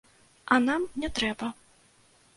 А нам не трэба.